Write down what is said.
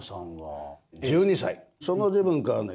その時分からね